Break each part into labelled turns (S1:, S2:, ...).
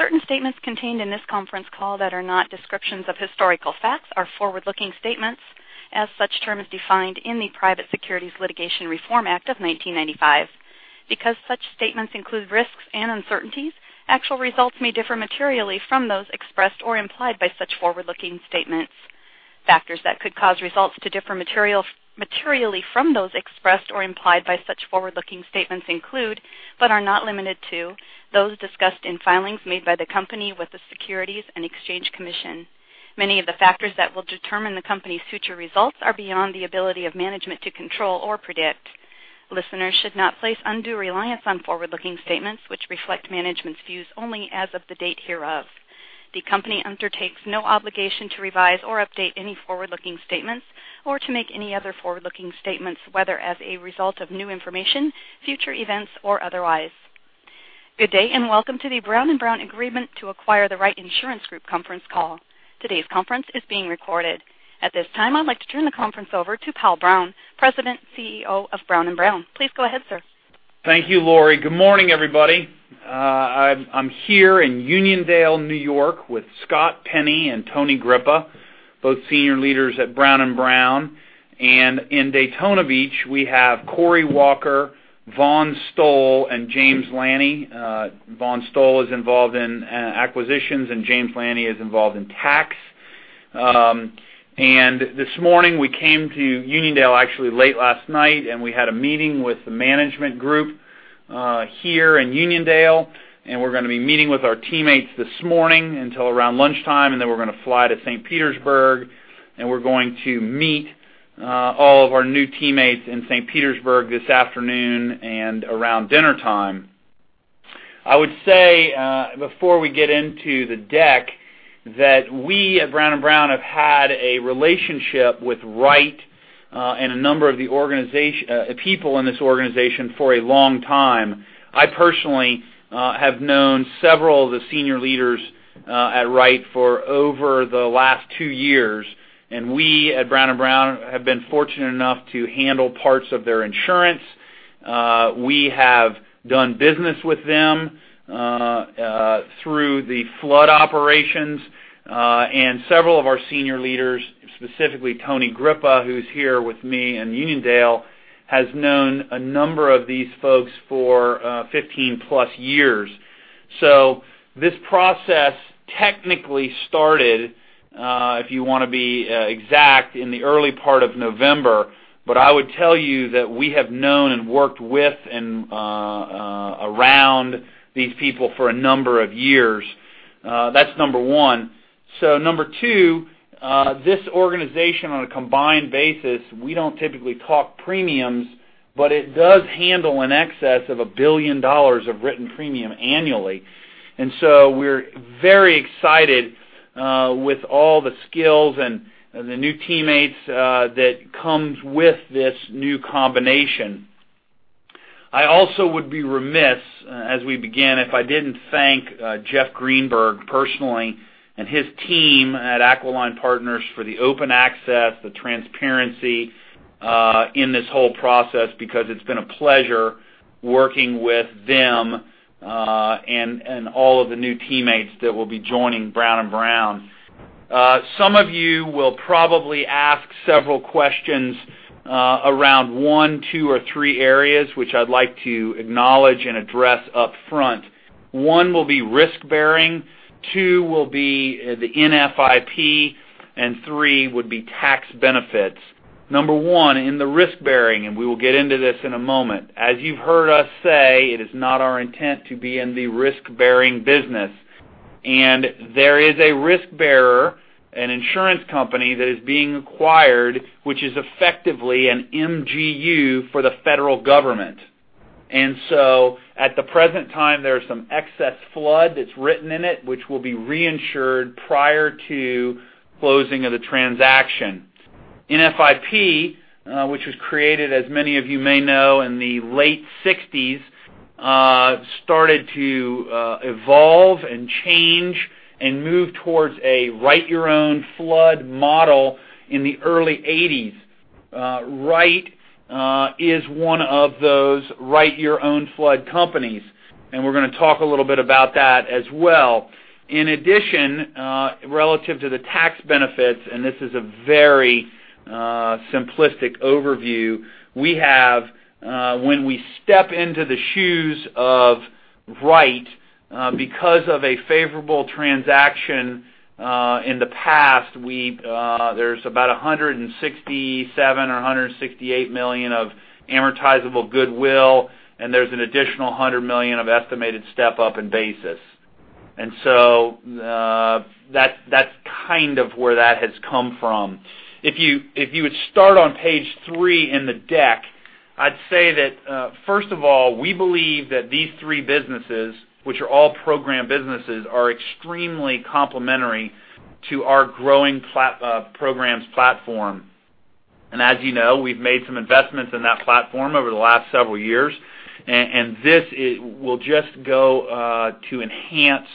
S1: Certain statements contained in this conference call that are not descriptions of historical facts are forward-looking statements, as such term is defined in the Private Securities Litigation Reform Act of 1995. Such statements include risks and uncertainties, actual results may differ materially from those expressed or implied by such forward-looking statements. Factors that could cause results to differ materially from those expressed or implied by such forward-looking statements include, but are not limited to, those discussed in filings made by the company with the Securities and Exchange Commission. Many of the factors that will determine the company's future results are beyond the ability of management to control or predict. Listeners should not place undue reliance on forward-looking statements, which reflect management's views only as of the date hereof. The company undertakes no obligation to revise or update any forward-looking statements or to make any other forward-looking statements, whether as a result of new information, future events, or otherwise. Good day, welcome to the Brown & Brown Agreement to acquire The Wright Insurance Group conference call. Today's conference is being recorded. At this time, I'd like to turn the conference over to Powell Brown, President CEO of Brown & Brown. Please go ahead, sir.
S2: Thank you, Lori. Good morning, everybody. I'm here in Uniondale, N.Y., with Scott Penny and Tony Grippa, both senior leaders at Brown & Brown. In Daytona Beach, we have Cory Walker, Vaughn Stoll, and James Lanny. Vaughn Stoll is involved in acquisitions, and James Lanny is involved in tax. This morning we came to Uniondale, actually late last night, and we had a meeting with the management group here in Uniondale, and we're going to be meeting with our teammates this morning until around lunchtime. Then we're going to fly to St. Petersburg, and we're going to meet all of our new teammates in St. Petersburg this afternoon and around dinnertime. I would say, before we get into the deck, that we at Brown & Brown have had a relationship with Wright, and a number of people in this organization for a long time. I personally have known several of the senior leaders at Wright for over the last two years. We at Brown & Brown have been fortunate enough to handle parts of their insurance. We have done business with them through the flood operations. Several of our senior leaders, specifically Tony Grippa, who's here with me in Uniondale, has known a number of these folks for 15-plus years. This process technically started, if you want to be exact, in the early part of November. I would tell you that we have known and worked with and around these people for a number of years. That's number one. Number two, this organization, on a combined basis, we don't typically talk premiums, but it does handle in excess of $1 billion of written premium annually. We're very excited with all the skills and the new teammates that comes with this new combination. I also would be remiss as we begin if I didn't thank Jeff Greenberg personally and his team at Aquiline Partners for the open access, the transparency in this whole process because it's been a pleasure working with them, and all of the new teammates that will be joining Brown & Brown. Some of you will probably ask several questions around one, two, or three areas, which I'd like to acknowledge and address upfront. One will be risk-bearing, two will be the NFIP, and three would be tax benefits. Number one, in the risk-bearing, we will get into this in a moment. As you've heard us say, it is not our intent to be in the risk-bearing business. There is a risk bearer, an insurance company that is being acquired, which is effectively an MGU for the federal government. At the present time, there is some excess flood that's written in it, which will be reinsured prior to closing of the transaction. NFIP, which was created as many of you may know in the late '60s, started to evolve and change and move towards a Write Your Own flood model in the early '80s. Wright is one of those Write Your Own flood companies, we're going to talk a little bit about that as well. In addition, relative to the tax benefits, this is a very simplistic overview, when we step into the shoes of Wright because of a favorable transaction in the past, there's about $167 million or $168 million of amortizable goodwill, and there's an additional $100 million of estimated step-up in basis. That's kind of where that has come from. If you would start on page three in the deck, I'd say that, first of all, we believe that these three businesses, which are all program businesses, are extremely complementary to our growing programs platform. As you know, we've made some investments in that platform over the last several years. This will just go to enhance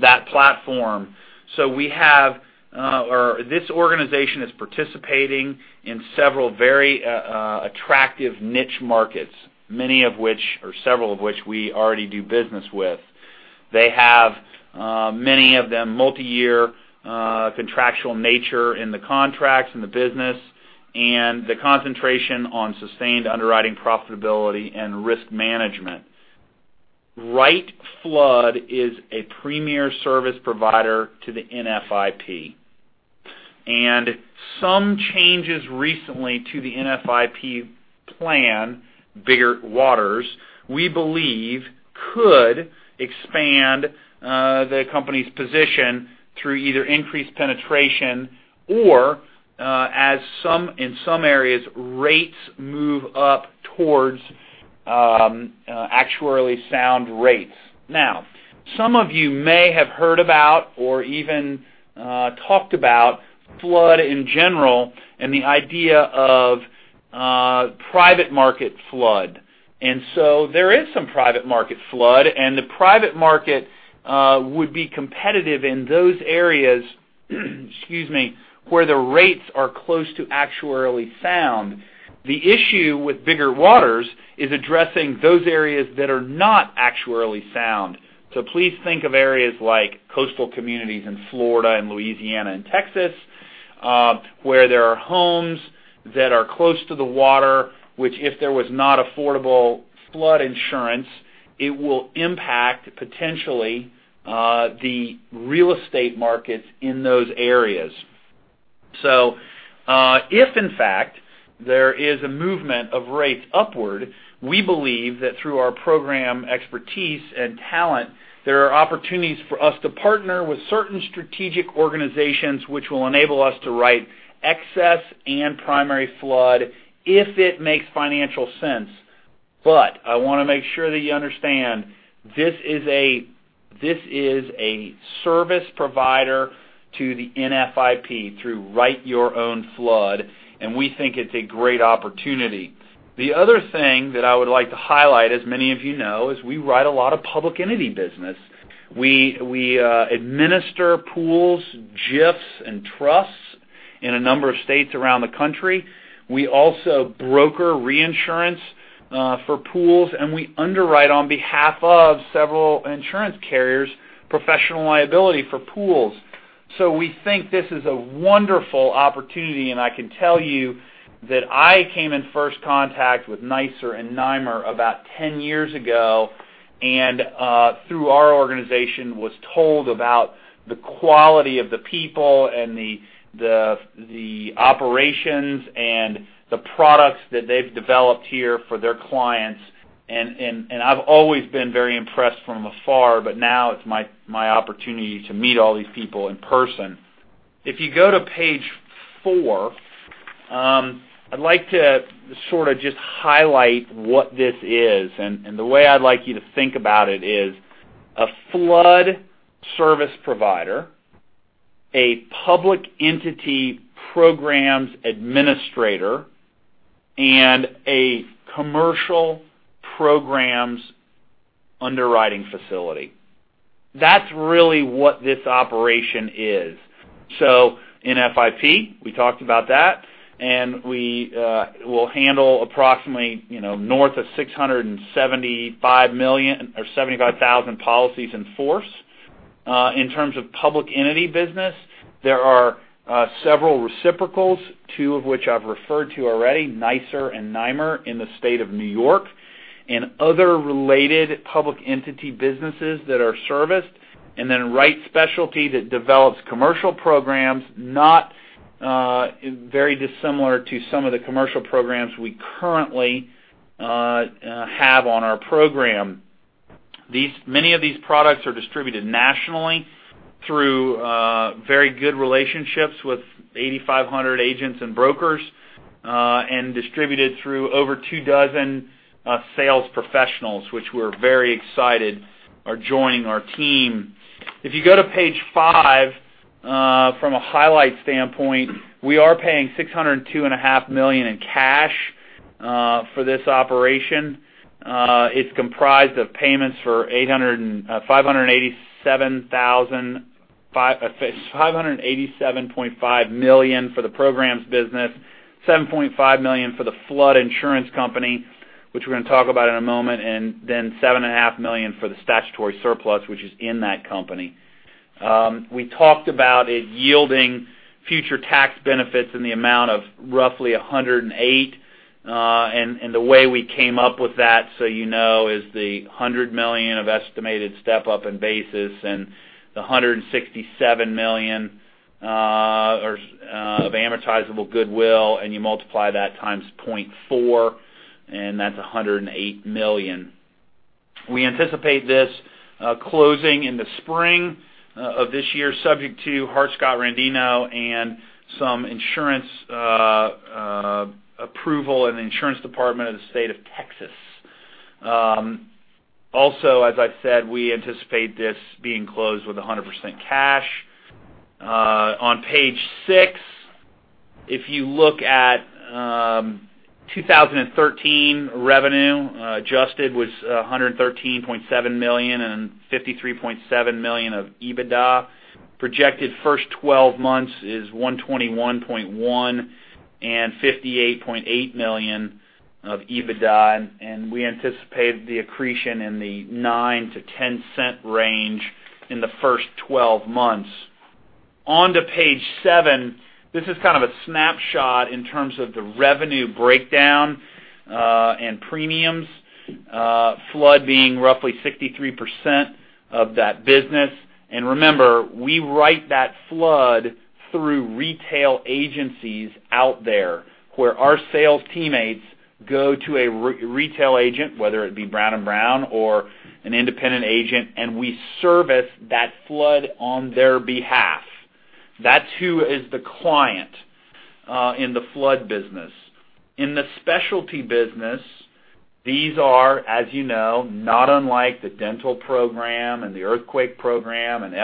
S2: that platform. This organization is participating in several very attractive niche markets, many of which, or several of which we already do business with. They have, many of them, multi-year contractual nature in the contracts, in the business, and the concentration on sustained underwriting profitability and risk management. Wright Flood is a premier service provider to the NFIP. Some changes recently to the NFIP plan, Biggert-Waters, we believe could expand the company's position through either increased penetration or, in some areas, rates move up towards actuarially sound rates. Some of you may have heard about or even talked about flood in general and the idea of private market flood. There is some private market flood, the private market would be competitive in those areas where the rates are close to actuarially sound. The issue with Biggert-Waters is addressing those areas that are not actuarially sound. Please think of areas like coastal communities in Florida and Louisiana and Texas, where there are homes that are close to the water, which if there was not affordable flood insurance, it will impact potentially the real estate markets in those areas. If in fact there is a movement of rates upward, we believe that through our program expertise and talent, there are opportunities for us to partner with certain strategic organizations, which will enable us to write excess and primary flood if it makes financial sense. I want to make sure that you understand, this is a service provider to the NFIP through Write Your Own Flood, and we think it's a great opportunity. The other thing that I would like to highlight, as many of you know, is we write a lot of public entity business. We administer pools, JIFs, and trusts in a number of states around the country. We also broker reinsurance for pools, and we underwrite on behalf of several insurance carriers, professional liability for pools. We think this is a wonderful opportunity, I can tell you that I came in first contact with NYSIR and NYMIR about 10 years ago, and through our organization, was told about the quality of the people and the operations and the products that they've developed here for their clients. I've always been very impressed from afar, but now it's my opportunity to meet all these people in person. If you go to page four, I'd like to sort of just highlight what this is. The way I'd like you to think about it is a flood service provider, a public entity programs administrator, and a commercial programs underwriting facility. That's really what this operation is. NFIP, we talked about that, and we will handle approximately north of $675 million or 75,000 policies in force. In terms of public entity business, there are several reciprocals, two of which I've referred to already, NYSIR and NYMIR in the state of New York, and other related public entity businesses that are serviced, and then Wright Specialty that develops commercial programs, not very dissimilar to some of the commercial programs we currently have on our program. Many of these products are distributed nationally through very good relationships with 8,500 agents and brokers, and distributed through over two dozen sales professionals, which we're very excited are joining our team. If you go to page five, from a highlight standpoint, we are paying $602 and a half million in cash for this operation. It's comprised of payments for $587.5 million for the programs business, $7.5 million for the flood insurance company, which we're going to talk about in a moment, and then $7 and a half million for the statutory surplus, which is in that company. We talked about it yielding future tax benefits in the amount of roughly $108 million. The way we came up with that, so you know, is the $100 million of estimated step-up in basis and the $167 million of amortizable goodwill, you multiply that times 0.4, and that's $108 million. We anticipate this closing in the spring of this year, subject to Hart-Scott-Rodino and some insurance approval and the insurance department of the state of Texas. As I've said, we anticipate this being closed with 100% cash. On page six, if you look at 2013 revenue, adjusted was $113.7 million and $53.7 million of EBITDA. Projected first 12 months is $121.1 million and $58.8 million of EBITDA, we anticipate the accretion in the $0.09-$0.10 range in the first 12 months. On to page seven, this is kind of a snapshot in terms of the revenue breakdown, premiums, flood being roughly 63% of that business. Remember, we write that flood through retail agencies out there, where our sales teammates go to a retail agent, whether it be Brown & Brown or an independent agent, and we service that flood on their behalf. That's who is the client, in the flood business. In the specialty business, these are, as you know, not unlike the dental program and the earthquake program and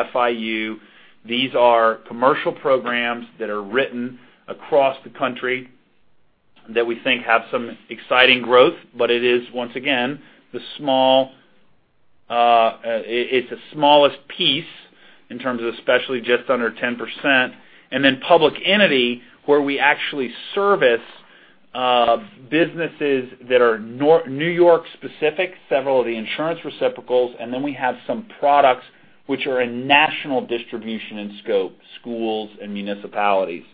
S2: FIU. These are commercial programs that are written across the country that we think have some exciting growth. It is, once again, it's the smallest piece in terms of especially just under 10%. Public entity, where we actually service businesses that are New York specific, several of the insurance reciprocals. We have some products which are in national distribution and scope, schools and municipalities.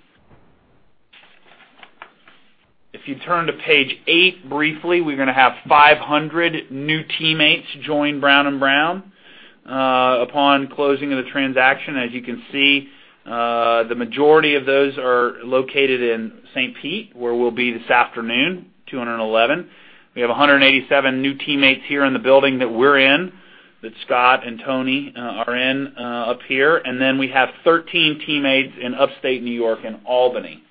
S2: If you turn to page eight briefly, we're going to have 500 new teammates join Brown & Brown, upon closing of the transaction. As you can see, the majority of those are located in St. Pete, where we'll be this afternoon, 211. We have 187 new teammates here in the building that we're in, that Scott and Tony are in, up here. We have 13 teammates in upstate New York and Albany.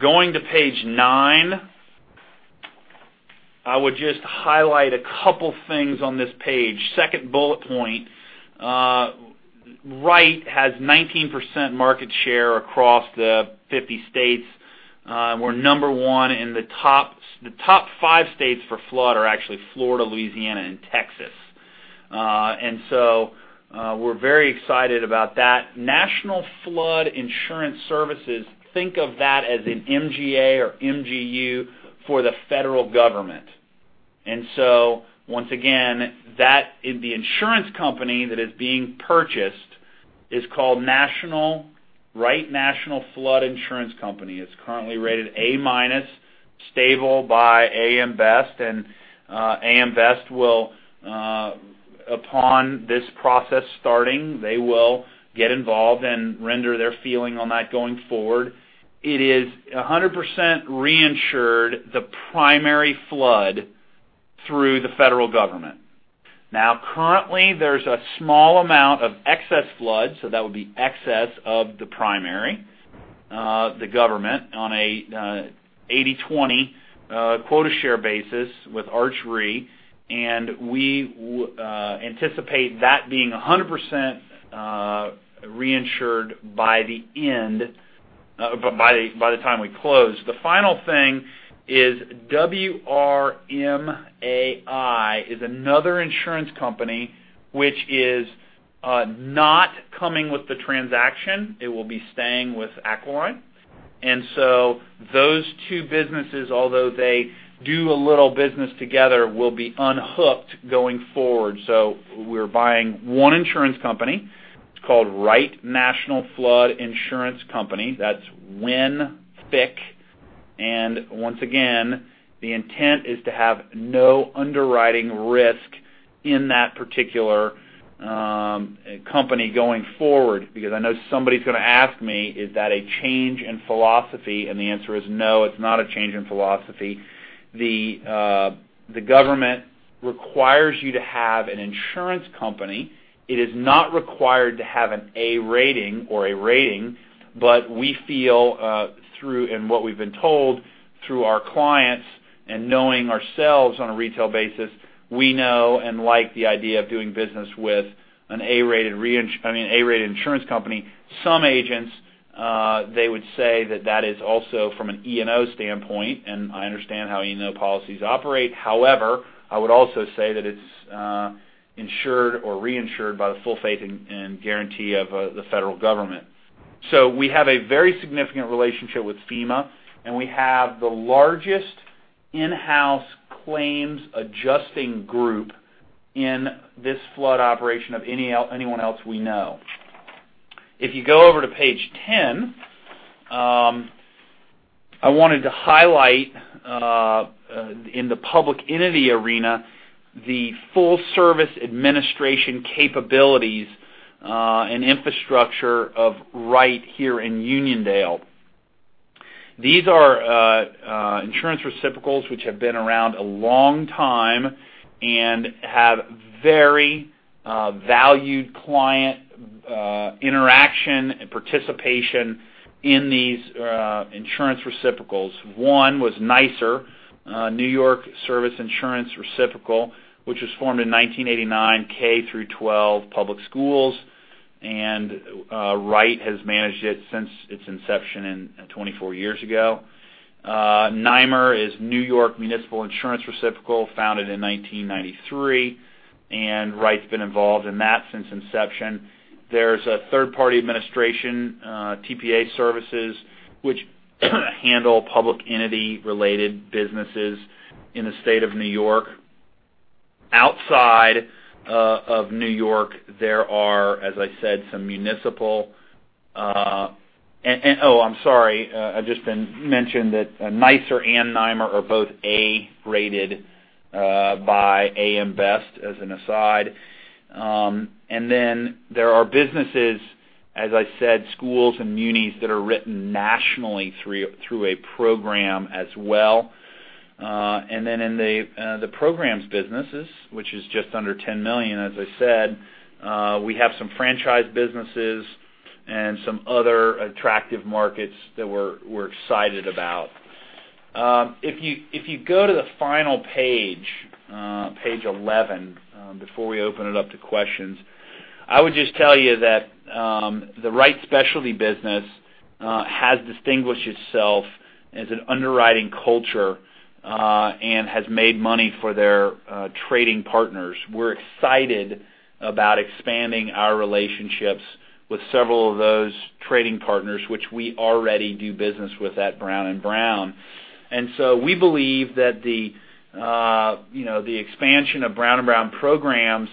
S2: Going to page nine, I would just highlight a couple things on this page. Second bullet point, Wright has 19% market share across the 50 states. We're number one in the top five states for flood are actually Florida, Louisiana, and Texas. We're very excited about that. National Flood Insurance Services, think of that as an MGA or MGU for the federal government. Once again, that is the insurance company that is being purchased is called Wright National Flood Insurance Company. It's currently rated A-minus stable by AM Best. AM Best will, upon this process starting, they will get involved and render their feeling on that going forward. It is 100% reinsured the primary flood through the federal government. Now, currently, there's a small amount of excess flood, so that would be excess of the primary, the government on an 80/20 quota share basis with Arch Re. We anticipate that being 100% reinsured by the time we close. The final thing is WRMAI is another insurance company which is not coming with the transaction. It will be staying with Aquiline. Those two businesses, although they do a little business together will be unhooked going forward. So we're buying one insurance company. It's called Wright National Flood Insurance Company. That's WrNFIC. Once again, the intent is to have no underwriting risk in that particular company going forward, because I know somebody's going to ask me, is that a change in philosophy? The answer is no, it's not a change in philosophy. The government requires you to have an insurance company. It is not required to have an A rating or A rating. We feel, and what we've been told through our clients and knowing ourselves on a retail basis, we know and like the idea of doing business with an A-rated insurance company. Some agents, they would say that that is also from an E&O standpoint, and I understand how E&O policies operate. However, I would also say that it's insured or reinsured by the full faith and guarantee of the federal government. We have a very significant relationship with FEMA, and we have the largest in-house claims adjusting group in this flood operation of anyone else we know. If you go over to page 10, I wanted to highlight, in the public entity arena, the full service administration capabilities, and infrastructure of Wright here in Uniondale. These are insurance reciprocals, which have been around a long time and have very valued client interaction and participation in these insurance reciprocals. One was NYSIR, New York Schools Insurance Reciprocal, which was formed in 1989, K through 12 public schools. Wright has managed it since its inception 24 years ago. NYMIR is New York Municipal Insurance Reciprocal, founded in 1993, Wright's been involved in that since inception. There's a third-party administration, TPA Services, which handle public entity related businesses in the state of N.Y. Outside of New York, there are, as I said, some municipal-- oh, I'm sorry. I've just been mentioned that NYSIR and NYMIR are both A-rated by AM Best, as an aside. There are businesses, as I said, schools and munis that are written nationally through a program as well. In the programs businesses, which is just under $10 million, as I said, we have some franchise businesses and some other attractive markets that we're excited about. If you go to the final page 11, before we open it up to questions, I would just tell you that the Wright Specialty business has distinguished itself as an underwriting culture and has made money for their trading partners. We're excited about expanding our relationships with several of those trading partners, which we already do business with at Brown & Brown. We believe that the expansion of Brown & Brown programs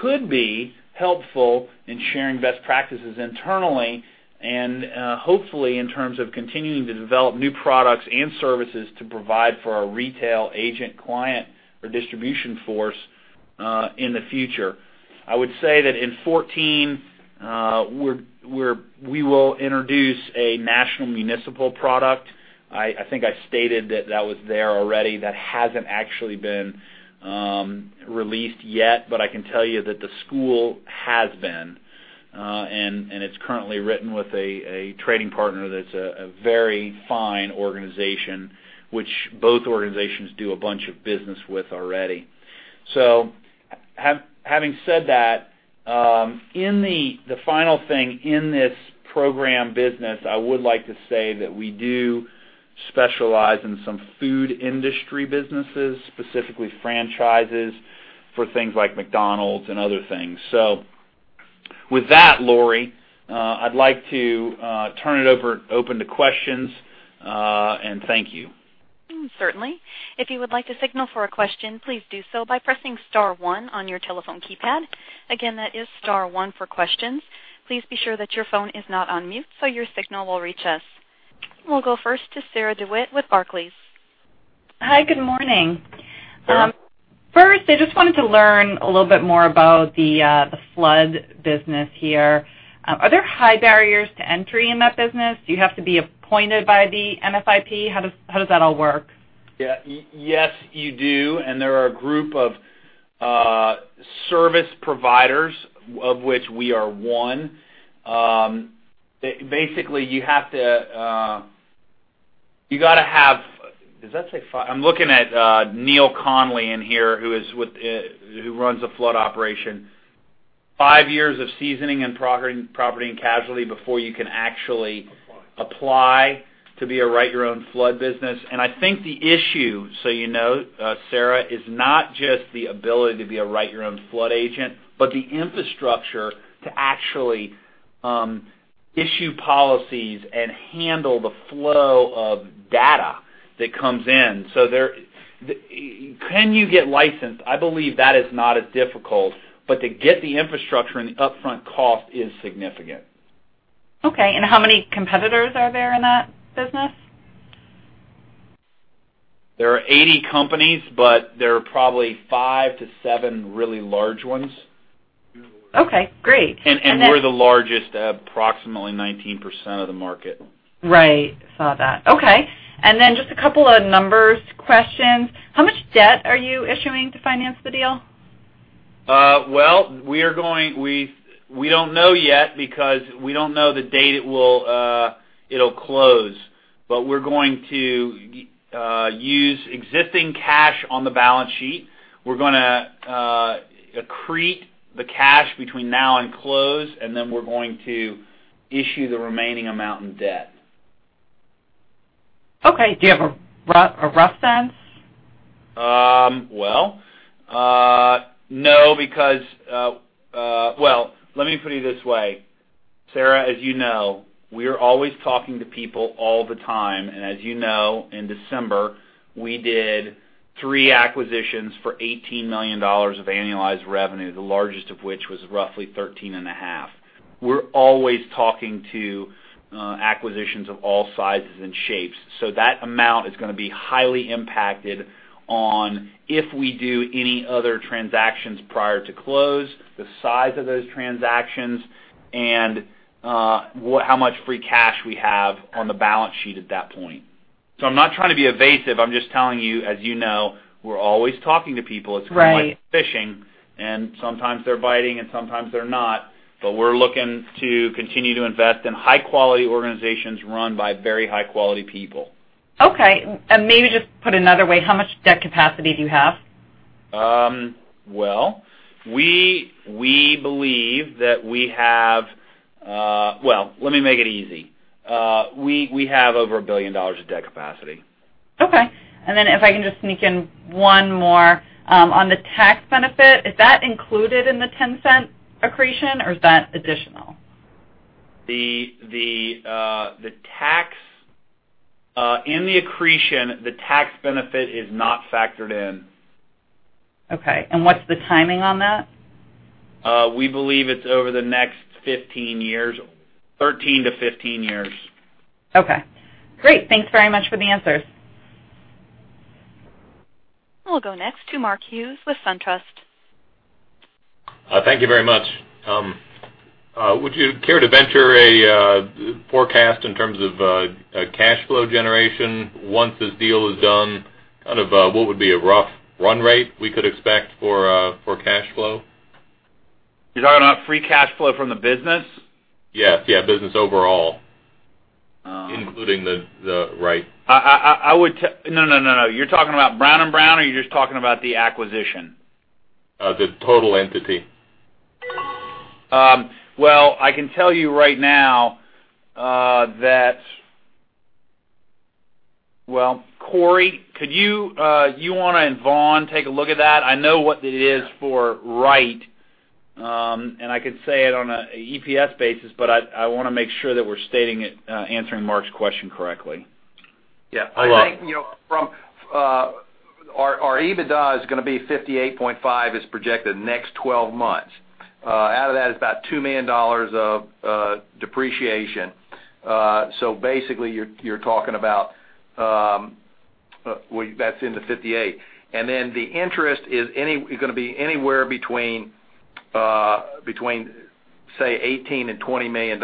S2: could be helpful in sharing best practices internally and hopefully in terms of continuing to develop new products and services to provide for our retail agent client or distribution force in the future. I would say that in 2014, we will introduce a national municipal product. I think I stated that that was there already. That hasn't actually been released yet, but I can tell you that the school has been, and it's currently written with a trading partner that's a very fine organization, which both organizations do a bunch of business with already. Having said that, the final thing in this program business, I would like to say that we do specialize in some food industry businesses, specifically franchises for things like McDonald's and other things. With that, Lori, I'd like to turn it over, open to questions, and thank you.
S1: Certainly. If you would like to signal for a question, please do so by pressing star one on your telephone keypad. Again, that is star one for questions. Please be sure that your phone is not on mute, so your signal will reach us. We'll go first to Sarah DeWitt with Barclays.
S3: Hi, good morning.
S2: Sure.
S3: First, I just wanted to learn a little bit more about the flood business here. Are there high barriers to entry in that business? Do you have to be appointed by the NFIP? How does that all work?
S2: Yes, you do. There are a group of service providers of which we are one. Basically, you got to have, does that say five? I'm looking at Chris Connelly in here who runs the flood operation. Five years of seasoning in property and casualty before you can actually apply to be a Write Your Own flood business. I think the issue, you know, Sarah, is not just the ability to be a Write Your Own flood agent, but the infrastructure to actually issue policies and handle the flow of data that comes in. Can you get licensed? I believe that is not as difficult, but to get the infrastructure and the upfront cost is significant.
S3: Okay, how many competitors are there in that business?
S2: There are 80 companies, there are probably five to seven really large ones.
S3: Okay, great.
S2: We're the largest at approximately 19% of the market.
S3: Right. Saw that. Okay. Just a couple of numbers questions. How much debt are you issuing to finance the deal?
S2: We don't know yet because we don't know the date it'll close. We're going to use existing cash on the balance sheet. We're going to accrete the cash between now and close, then we're going to issue the remaining amount in debt.
S3: Okay. Do you have a rough sense?
S2: No, let me put it this way, Sarah. As you know, we are always talking to people all the time. As you know, in December, we did three acquisitions for $18 million of annualized revenue, the largest of which was roughly 13 and a half. We're always talking to acquisitions of all sizes and shapes, that amount is going to be highly impacted on if we do any other transactions prior to close, the size of those transactions, and how much free cash we have on the balance sheet at that point. I'm not trying to be evasive. I'm just telling you, as you know, we're always talking to people.
S3: Right.
S2: It's kind of like fishing, sometimes they're biting, and sometimes they're not. We're looking to continue to invest in high quality organizations run by very high quality people.
S3: Okay. Maybe just put another way, how much debt capacity do you have?
S2: Well, we believe that. Well, let me make it easy. We have over $1 billion of debt capacity.
S3: Okay. Then if I can just sneak in one more. On the tax benefit, is that included in the $0.10 accretion, or is that additional?
S2: In the accretion, the tax benefit is not factored in.
S3: Okay. What's the timing on that?
S2: We believe it's over the next 15 years, 13 to 15 years.
S3: Okay. Great. Thanks very much for the answers.
S1: We'll go next to Mark Hughes with SunTrust.
S4: Thank you very much. Would you care to venture a forecast in terms of cash flow generation once this deal is done? Kind of what would be a rough run rate we could expect for cash flow?
S2: You're talking about free cash flow from the business?
S4: Yes. Business overall.
S2: Oh.
S4: Including Wright.
S2: No. You're talking about Brown & Brown, or you're just talking about the acquisition?
S4: The total entity.
S2: I can tell you right now that Well, Cory, do you and Vaughn take a look at that? I know what it is for Wright. I could say it on a EPS basis, but I want to make sure that we're stating it, answering Mark's question correctly.
S5: Yes.
S4: I love it.
S5: Our EBITDA is going to be 58.5, is projected next 12 months. Out of that, it's about $2 million of depreciation. Basically, you're talking about, that's in the 58. The interest is going to be anywhere between, say $18 million and $20 million.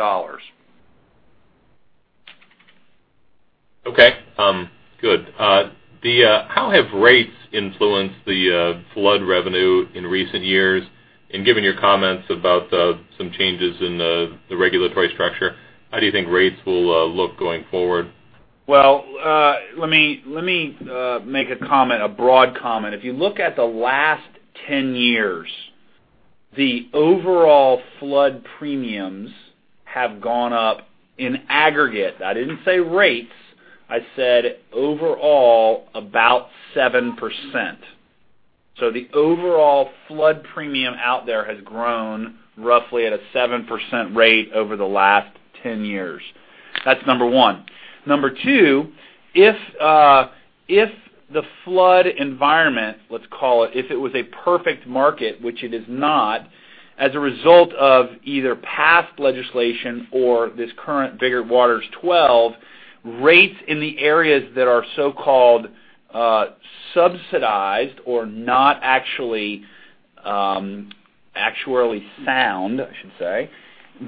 S4: Okay, good. How have rates influenced the flood revenue in recent years? Given your comments about some changes in the regulatory structure, how do you think rates will look going forward?
S2: Well, let me make a comment, a broad comment. If you look at the last 10 years, the overall flood premiums have gone up in aggregate. I didn't say rates, I said overall, about 7%. The overall flood premium out there has grown roughly at a 7% rate over the last 10 years. That's number one. Number two, if the flood environment, let's call it, if it was a perfect market, which it is not, as a result of either past legislation or this current Biggert-Waters 12, rates in the areas that are so-called subsidized or not actually actuarially sound, I should say,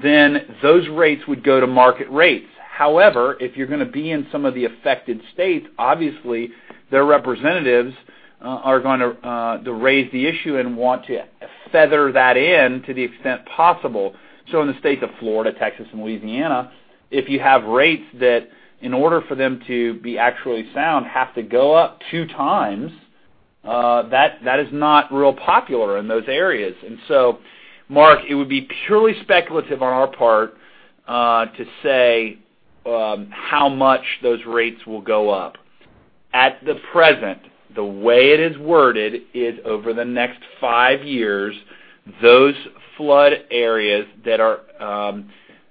S2: then those rates would go to market rates. However, if you're going to be in some of the affected states, obviously their representatives are going to raise the issue and want to feather that in to the extent possible. In the state of Florida, Texas, and Louisiana, if you have rates that, in order for them to be actuarially sound, have to go up two times, that is not real popular in those areas. Mark, it would be purely speculative on our part to say how much those rates will go up. At the present, the way it is worded is over the next five years, those flood areas that are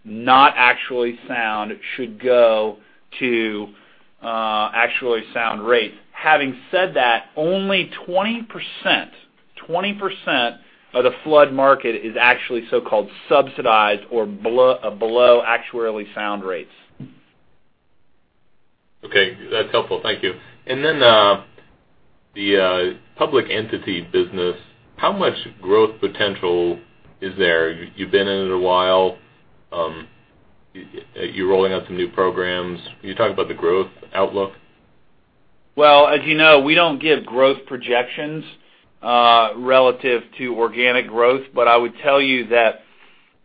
S2: not actuarially sound should go to actuarially sound rates. Having said that, only 20% of the flood market is actually so-called subsidized or below actuarially sound rates.
S4: Okay. That's helpful. Thank you. The public entity business, how much growth potential is there? You've been in it a while. You're rolling out some new programs. Can you talk about the growth outlook?
S2: Well, as you know, we don't give growth projections relative to organic growth. I would tell you that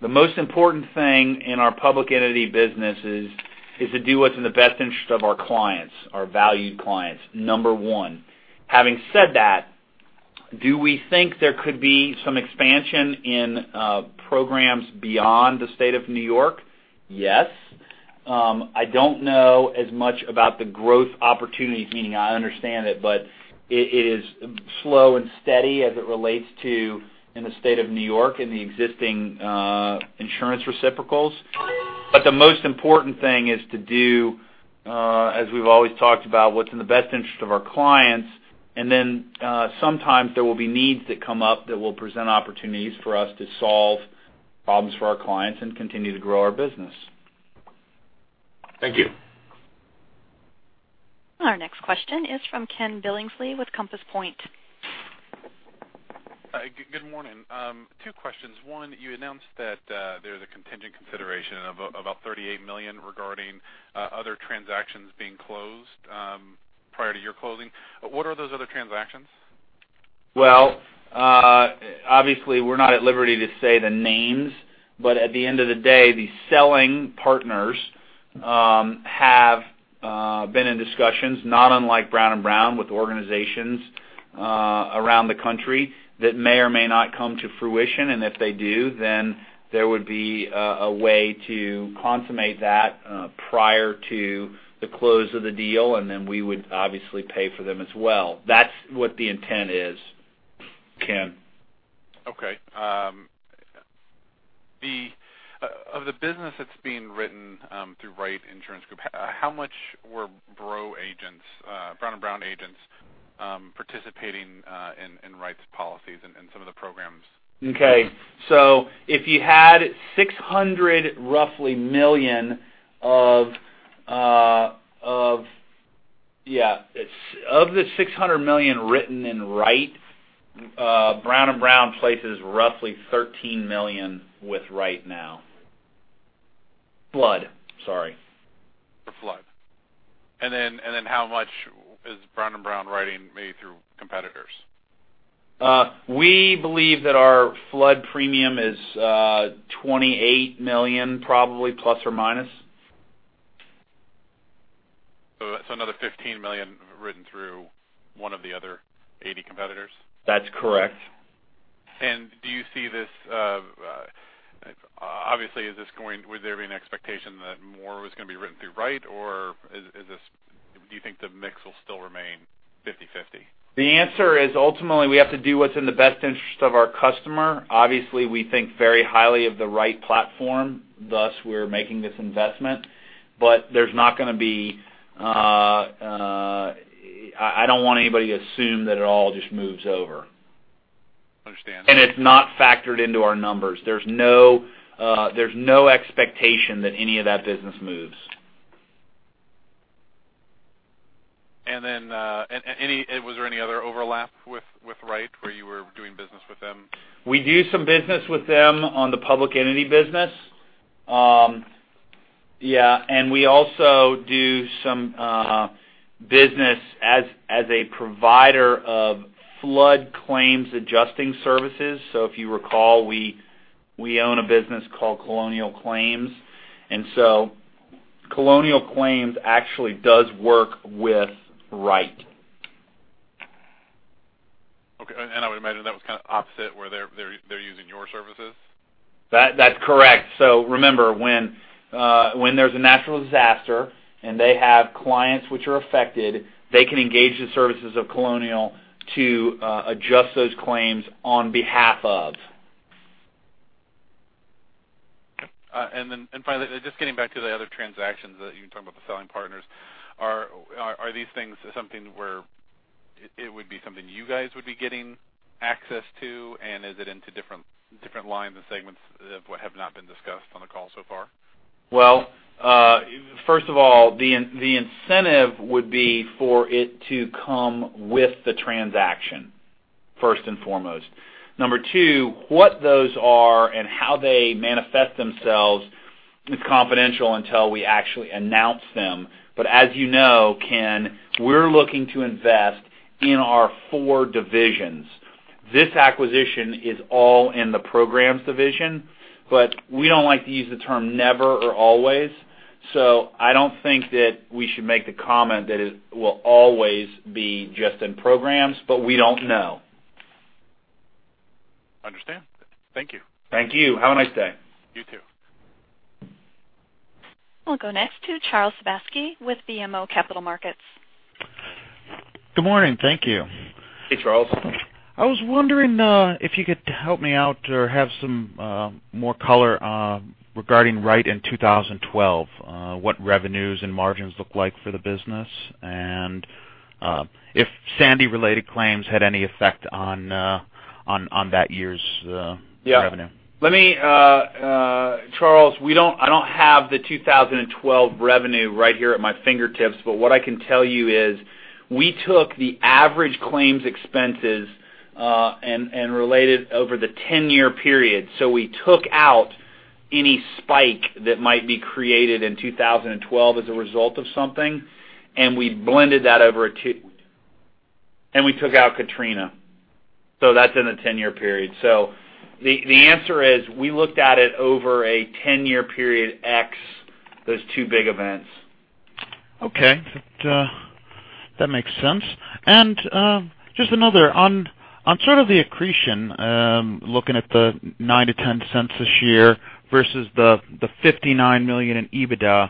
S2: the most important thing in our public entity business is to do what's in the best interest of our clients, our valued clients. Number one. Having said that, do we think there could be some expansion in programs beyond the state of New York? Yes. I don't know as much about the growth opportunities, meaning I understand it, but it is slow and steady as it relates to in the state of New York and the existing insurance reciprocals. The most important thing is to do, as we've always talked about, what's in the best interest of our clients. Sometimes there will be needs that come up that will present opportunities for us to solve problems for our clients and continue to grow our business.
S4: Thank you.
S1: Our next question is from Ken Billingsley with Compass Point.
S6: Good morning. Two questions. One, you announced that there's a contingent consideration of about $38 million regarding other transactions being closed prior to your closing. What are those other transactions?
S2: Well, obviously, we're not at liberty to say the names, but at the end of the day, the selling partners have been in discussions, not unlike Brown & Brown, with organizations around the country that may or may not come to fruition, and if they do, then there would be a way to consummate that prior to the close of the deal, and then we would obviously pay for them as well. That's what the intent is, Ken.
S6: Okay. Of the business that's being written through Wright Insurance Group, how much were Brown & Brown agents participating in Wright's policies and some of the programs?
S2: Okay. If you had roughly $600 million. Of the $600 million written in Wright, Brown & Brown places roughly $13 million with Wright now. Flood, sorry.
S6: The flood. How much is Brown & Brown writing maybe through competitors?
S2: We believe that our flood premium is $28 million, probably, plus or minus.
S6: That's another $15 million written through one of the other 80 competitors?
S2: That's correct.
S6: Do you see obviously, would there be an expectation that more was going to be written through Wright, or do you think the mix will still remain 50/50?
S2: The answer is, ultimately, we have to do what's in the best interest of our customer. Obviously, we think very highly of the Wright platform, thus we're making this investment. I don't want anybody to assume that it all just moves over.
S6: Understand.
S2: It's not factored into our numbers. There's no expectation that any of that business moves.
S6: Was there any other overlap with Wright, where you were doing business with them?
S2: We do some business with them on the public entity business. We also do some business as a provider of flood claims adjusting services. If you recall, we own a business called Colonial Claims. Colonial Claims actually does work with Wright.
S6: Okay. I would imagine that was kind of opposite, where they're using your services?
S2: That's correct. Remember, when there's a natural disaster and they have clients which are affected, they can engage the services of Colonial to adjust those claims on behalf of.
S6: Finally, just getting back to the other transactions, you were talking about the selling partners. Are these things something where it would be something you guys would be getting access to? Is it into different lines and segments that have not been discussed on the call so far?
S2: First of all, the incentive would be for it to come with the transaction, first and foremost. Number two, what those are and how they manifest themselves is confidential until we actually announce them. As you know, Ken, we're looking to invest in our four divisions. This acquisition is all in the programs division, we don't like to use the term never or always. I don't think that we should make the comment that it will always be just in programs, we don't know.
S6: Understand. Thank you.
S2: Thank you. Have a nice day.
S6: You too.
S1: We'll go next to Charles Cyburt with BMO Capital Markets.
S7: Good morning. Thank you.
S2: Hey, Charles.
S7: I was wondering if you could help me out or have some more color regarding Wright in 2012, what revenues and margins look like for the business and if Hurricane Sandy related claims had any effect on that year's revenue.
S2: Yeah. Charles, I don't have the 2012 revenue right here at my fingertips. What I can tell you is we took the average claims expenses and related over the 10-year period. We took out any spike that might be created in 2012 as a result of something, and we blended that over and we took out Hurricane Katrina. That's in a 10-year period. The answer is we looked at it over a 10-year period, x those two big events.
S7: Okay. That makes sense. Just another, on sort of the accretion, looking at the $0.09-$0.10 this year versus the $59 million in EBITDA.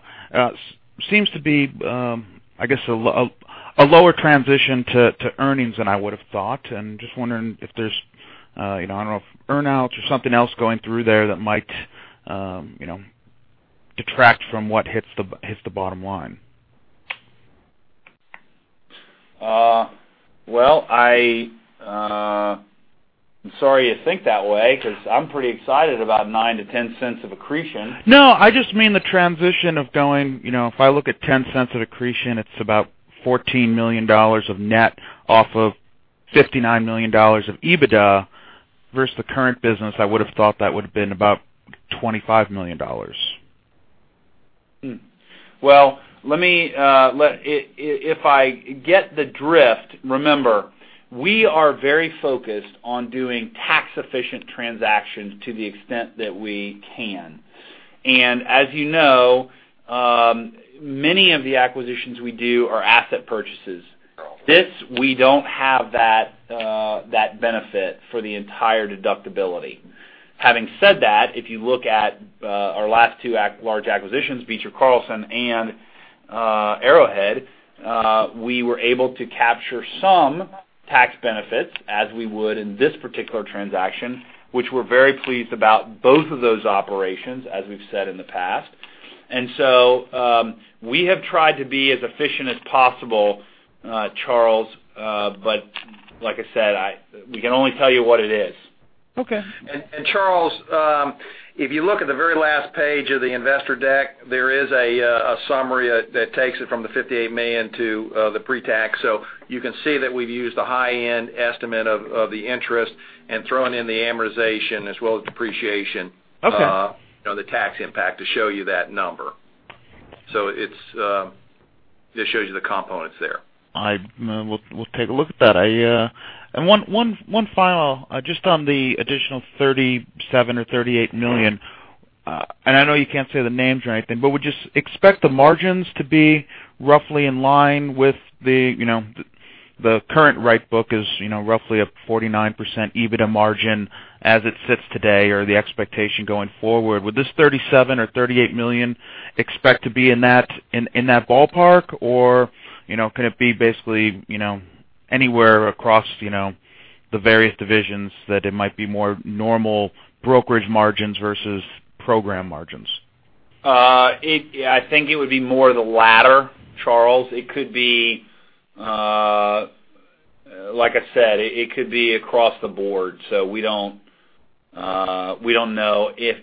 S7: Seems to be, I guess, a lower transition to earnings than I would've thought. Just wondering if there's, I don't know, earn-outs or something else going through there that might detract from what hits the bottom line.
S2: Well, I'm sorry you think that way because I'm pretty excited about $0.09-$0.10 of accretion.
S7: No, I just mean the transition of going, if I look at $0.10 of accretion, it is about $14 million of net off of $59 million of EBITDA versus the current business. I would've thought that would've been about $25 million.
S2: Well, if I get the drift, remember, we are very focused on doing tax-efficient transactions to the extent that we can. As you know, many of the acquisitions we do are asset purchases. This, we don't have that benefit for the entire deductibility. Having said that, if you look at our last two large acquisitions, Beecher Carlson and Arrowhead, we were able to capture some tax benefits, as we would in this particular transaction, which we're very pleased about both of those operations, as we've said in the past. So, we have tried to be as efficient as possible, Charles, but, like I said, we can only tell you what it is.
S7: Okay.
S5: Charles, if you look at the very last page of the investor deck, there is a summary that takes it from the $58 million to the pre-tax. You can see that we've used a high-end estimate of the interest and thrown in the amortization as well as depreciation-
S7: Okay
S5: on the tax impact to show you that number. It shows you the components there.
S7: We'll take a look at that. One final, just on the additional $37 million or $38 million, I know you can't say the names or anything, but would just expect the margins to be roughly in line with the current Wright book is roughly a 49% EBITDA margin as it sits today or the expectation going forward. Would this $37 million or $38 million expect to be in that ballpark, or can it be basically anywhere across the various divisions that it might be more normal brokerage margins versus program margins?
S2: I think it would be more of the latter, Charles. Like I said, it could be across the board. We don't know if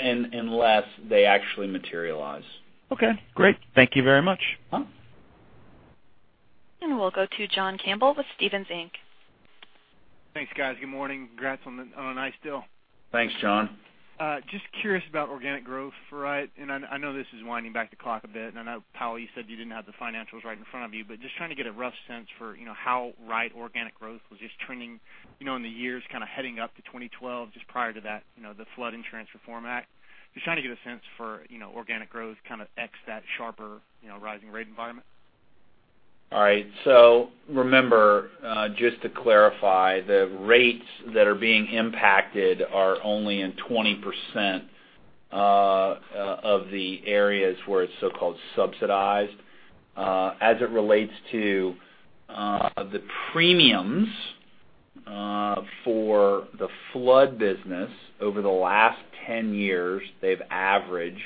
S2: and unless they actually materialize.
S7: Okay, great. Thank you very much.
S1: We'll go to John Campbell with Stephens Inc.
S8: Thanks, guys. Good morning. Congrats on a nice deal.
S2: Thanks, John.
S8: Just curious about organic growth. I know this is winding back the clock a bit, I know, Powell, you said you didn't have the financials right in front of you, but just trying to get a rough sense for how Wright organic growth was just trending in the years kind of heading up to 2012, just prior to that, the Flood Insurance Reform Act. Just trying to get a sense for organic growth, kind of x that sharper rising rate environment.
S2: All right. Remember, just to clarify, the rates that are being impacted are only in 20% of the areas where it's so-called subsidized. As it relates to the premiums for the flood business, over the last 10 years, they've averaged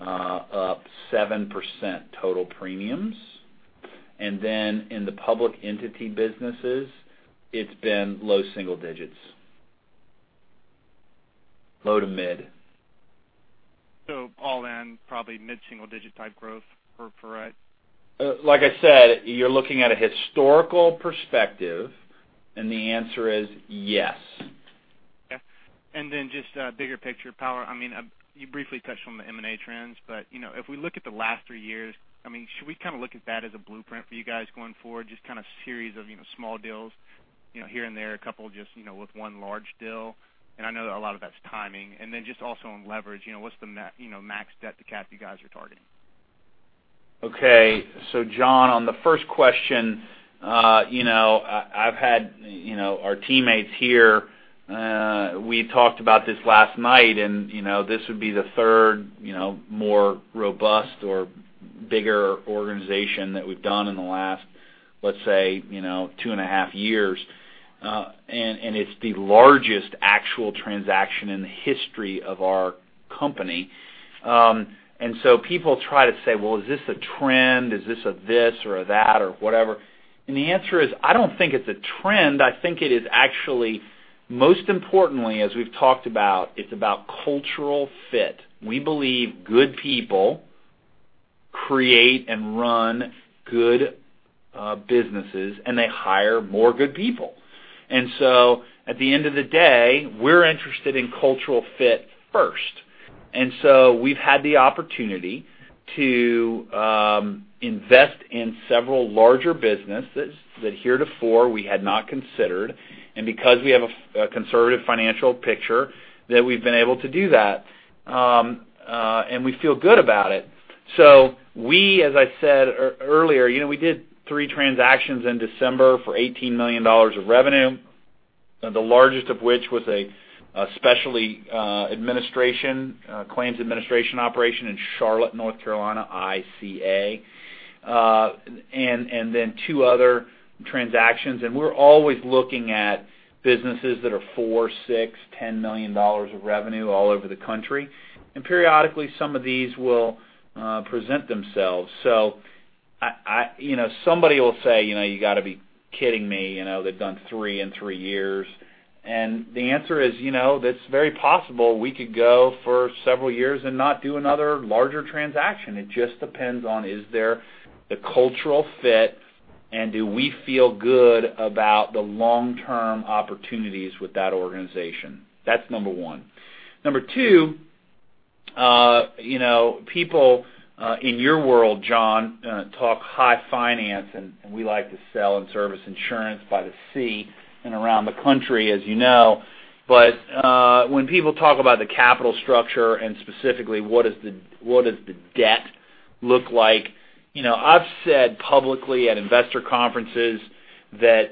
S2: up 7% total premiums. Then in the public entity businesses, it's been low single digits. Low to mid.
S8: All in, probably mid-single digit type growth for Wright.
S2: Like I said, you're looking at a historical perspective, and the answer is yes.
S8: Okay. Just bigger picture, Powell. You briefly touched on the M&A trends, but if we look at the last three years, should we look at that as a blueprint for you guys going forward, just kind of series of small deals here and there, a couple just with one large deal? I know that a lot of that's timing. Just also on leverage, what's the max debt-to-cap you guys are targeting?
S2: Okay. John, on the first question, our teammates here, we talked about this last night, and this would be the third more robust or bigger organization that we've done in the last, let's say, two and a half years. It's the largest actual transaction in the history of our company. People try to say, "Well, is this a trend? Is this a this or a that or whatever?" The answer is, I don't think it's a trend. I think it is actually, most importantly, as we've talked about, it's about cultural fit. We believe good people create and run good businesses, and they hire more good people. At the end of the day, we're interested in cultural fit first. We've had the opportunity to invest in several larger businesses that heretofore we had not considered. Because we have a conservative financial picture, that we've been able to do that. We feel good about it. We, as I said earlier, we did 3 transactions in December for $18 million of revenue, the largest of which was a specialty claims administration operation in Charlotte, N.C., ICA. Then 2 other transactions. We are always looking at businesses that are 4, 6, $10 million of revenue all over the country. Periodically, some of these will present themselves. Somebody will say, "You have got to be kidding me. They have done 3 in 3 years." The answer is, that is very possible we could go for several years and not do another larger transaction. It just depends on is there the cultural fit, and do we feel good about the long-term opportunities with that organization? That is number 1. Number 2. People in your world, John, talk high finance, and we like to sell and service insurance by the C and around the country, as you know. When people talk about the capital structure and specifically what does the debt look like, I have said publicly at investor conferences that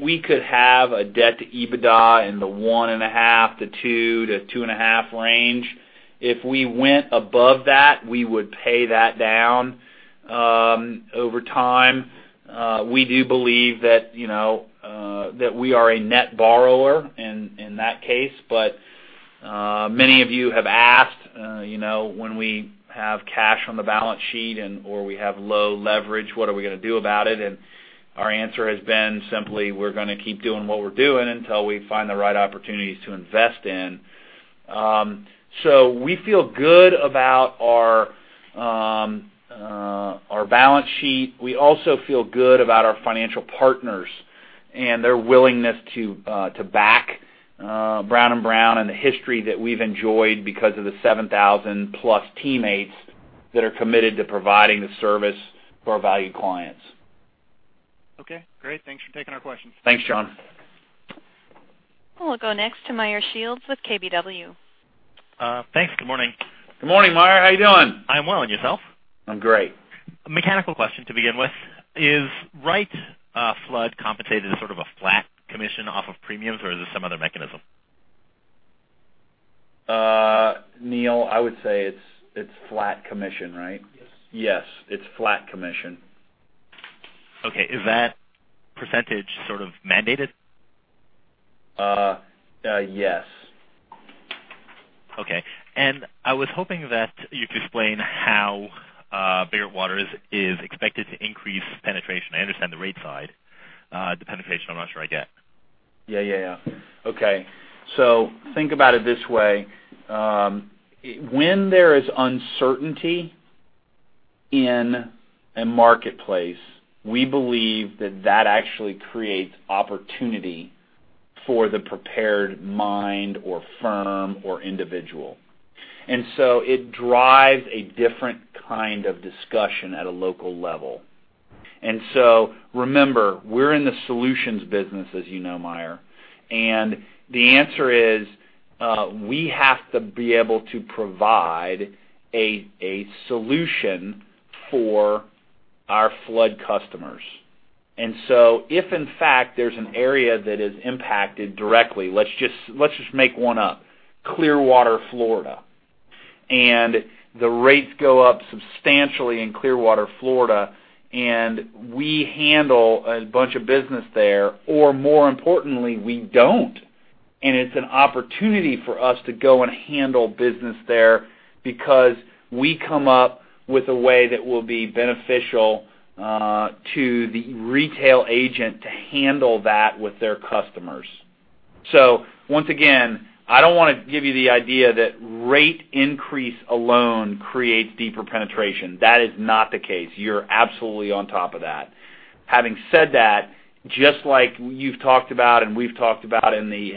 S2: we could have a debt-to-EBITDA in the 1.5 to 2 to 2.5 range. If we went above that, we would pay that down over time. We do believe that we are a net borrower in that case. Many of you have asked, when we have cash on the balance sheet or we have low leverage, what are we going to do about it? Our answer has been simply, we are going to keep doing what we are doing until we find the right opportunities to invest in. We feel good about our balance sheet. We also feel good about our financial partners and their willingness to back Brown & Brown and the history that we have enjoyed because of the 7,000-plus teammates that are committed to providing the service for our valued clients.
S8: Okay, great. Thanks for taking our questions.
S2: Thanks, John.
S1: We'll go next to Meyer Shields with KBW.
S9: Thanks. Good morning.
S2: Good morning, Meyer. How you doing?
S9: I'm well. Yourself?
S2: I'm great.
S9: A mechanical question to begin with. Is Wright Flood compensated as sort of a flat commission off of premiums or is this some other mechanism?
S2: Chris Connelly, I would say it's flat commission, right?
S10: Yes.
S2: Yes, it's flat commission.
S9: Okay. Is that percentage sort of mandated?
S2: Yes.
S9: Okay. I was hoping that you'd explain how Biggert-Waters is expected to increase penetration. I understand the rate side. The penetration, I'm not sure I get.
S2: Yeah. Okay. Think about it this way. When there is uncertainty in a marketplace, we believe that that actually creates opportunity for the prepared mind or firm or individual. It drives a different kind of discussion at a local level. Remember, we're in the solutions business, as you know, Meyer. The answer is, we have to be able to provide a solution for our flood customers. If in fact there's an area that is impacted directly, let's just make one up, Clearwater, Florida, and the rates go up substantially in Clearwater, Florida, and we handle a bunch of business there, or more importantly, we don't, and it's an opportunity for us to go and handle business there because we come up with a way that will be beneficial to the retail agent to handle that with their customers. Once again, I don't want to give you the idea that rate increase alone creates deeper penetration. That is not the case. You're absolutely on top of that. Having said that, just like you've talked about and we've talked about in the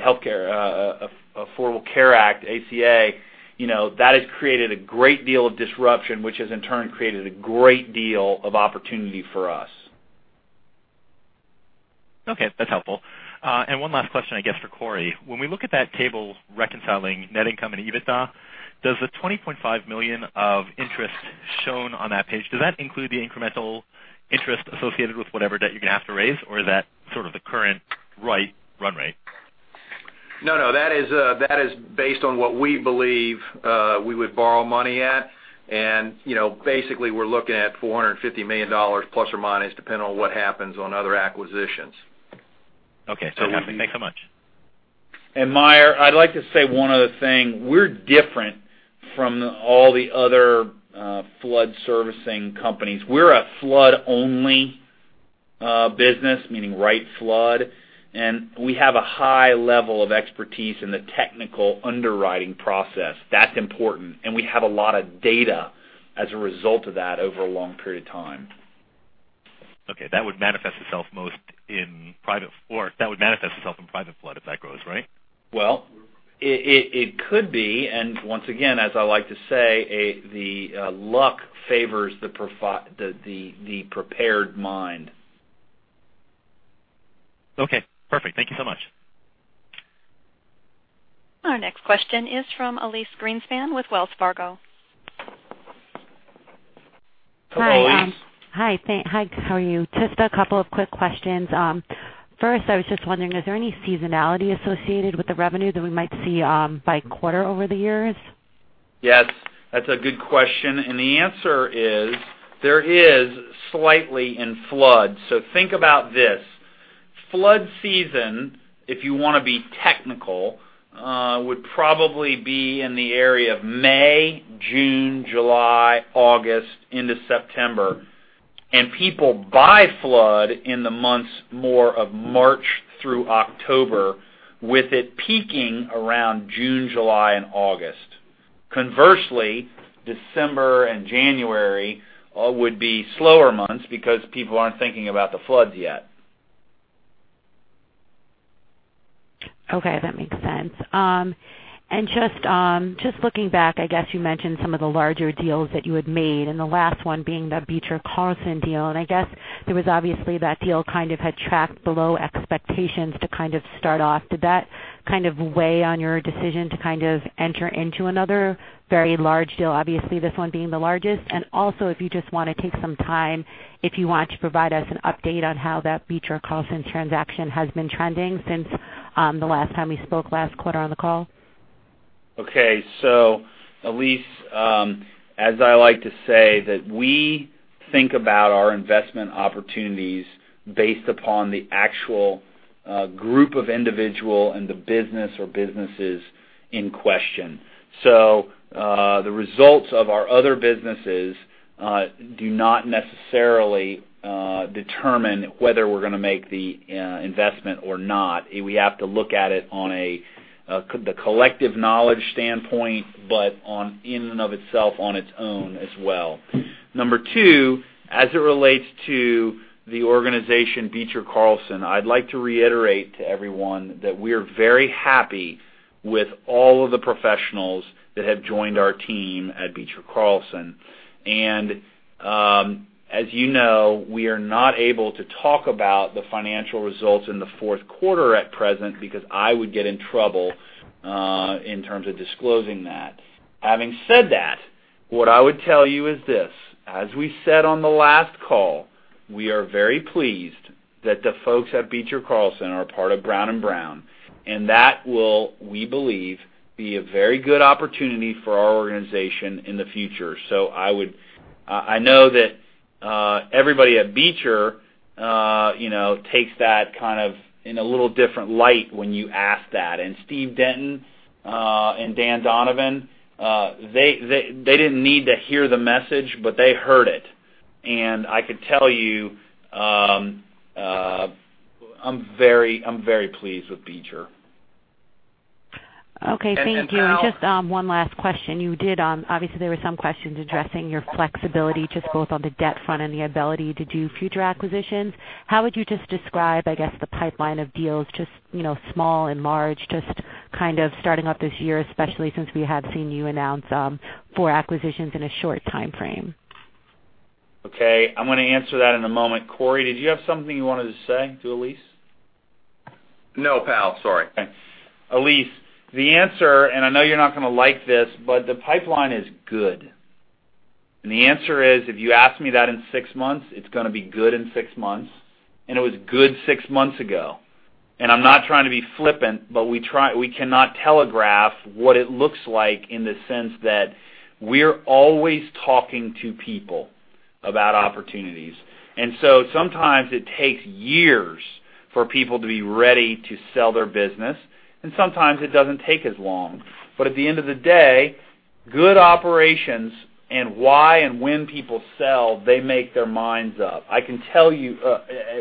S2: Affordable Care Act, ACA, that has created a great deal of disruption, which has in turn created a great deal of opportunity for us.
S9: Okay. That's helpful. One last question, I guess, for Cory. When we look at that table reconciling net income and EBITDA, does the $20.5 million of interest shown on that page, does that include the incremental interest associated with whatever debt you're going to have to raise, or is that sort of the current write run rate?
S2: No. That is based on what we believe we would borrow money at. Basically, we're looking at $450 million plus or minus, depending on what happens on other acquisitions.
S9: Okay. Thanks so much.
S2: Meyer, I'd like to say one other thing. We're different from all the other flood servicing companies. We're a flood-only business, meaning Wright Flood, and we have a high level of expertise in the technical underwriting process. That's important. We have a lot of data as a result of that over a long period of time.
S9: Okay. That would manifest itself in private flood if that grows, right?
S2: Well, it could be, and once again, as I like to say, the luck favors the prepared mind.
S9: Okay, perfect. Thank you so much.
S1: Our next question is from Elyse Greenspan with Wells Fargo.
S2: Hi, Elyse.
S11: Hi. How are you? Just a couple of quick questions. First, I was just wondering, is there any seasonality associated with the revenue that we might see by quarter over the years?
S2: Yes, that's a good question. The answer is, there is slightly in flood. Think about this. Flood season, if you want to be technical, would probably be in the area of May, June, July, August into September, and people buy flood in the months more of March through October, with it peaking around June, July, and August. Conversely, December and January would be slower months because people aren't thinking about the floods yet.
S11: Okay, that makes sense. Just looking back, I guess you mentioned some of the larger deals that you had made, the last one being the Beecher Carlson deal, and I guess there was obviously that deal kind of had tracked below expectations to kind of start off. Did that kind of weigh on your decision to kind of enter into another very large deal, obviously this one being the largest? Also, if you just want to take some time, if you want to provide us an update on how that Beecher Carlson transaction has been trending since the last time we spoke last quarter on the call.
S2: Okay. Elyse, as I like to say that we think about our investment opportunities based upon the actual group of individual and the business or businesses in question. The results of our other businesses do not necessarily determine whether we're going to make the investment or not. We have to look at it on a collective knowledge standpoint, but on in and of itself, on its own as well. Number two, as it relates to the organization, Beecher Carlson, I'd like to reiterate to everyone that we are very happy with all of the professionals that have joined our team at Beecher Carlson. As you know, we are not able to talk about the financial results in the fourth quarter at present because I would get in trouble, in terms of disclosing that. Having said that, what I would tell you is this, as we said on the last call, we are very pleased that the folks at Beecher Carlson are a part of Brown & Brown, and that will, we believe, be a very good opportunity for our organization in the future. I know that everybody at Beecher takes that kind of in a little different light when you ask that. Steve Denton, and Dan Donovan, they didn't need to hear the message, but they heard it. I could tell you, I'm very pleased with Beecher.
S11: Okay, thank you.
S2: And Al-
S11: Just one last question. You did obviously there were some questions addressing your flexibility, just both on the debt front and the ability to do future acquisitions. How would you just describe, I guess, the pipeline of deals, just small and large, just kind of starting up this year, especially since we have seen you announce four acquisitions in a short time frame?
S2: Okay. I'm going to answer that in a moment. Cory, did you have something you wanted to say to Elyse?
S5: No, pal. Sorry.
S2: Okay. Elyse, the answer, I know you're not going to like this, the pipeline is good. The answer is, if you ask me that in six months, it's going to be good in six months, and it was good six months ago. I'm not trying to be flippant, but we cannot telegraph what it looks like in the sense that we're always talking to people about opportunities. Sometimes it takes years for people to be ready to sell their business, and sometimes it doesn't take as long. At the end of the day, good operations and why and when people sell, they make their minds up. I can tell you